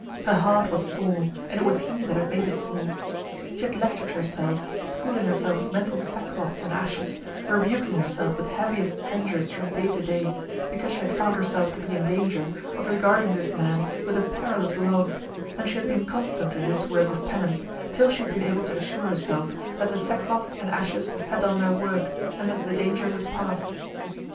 Her heart was sore, and it was he that had made it sore. She had lectured herself, schooling herself with mental sackcloth and ashes, rebuking herself with heaviest censures from day to day, because she had found herself to be in danger of regarding this man with a perilous love; and she had been constant in this work of penance till she had been able to assure herself that the sackcloth and ashes had done their work, and that the danger was past.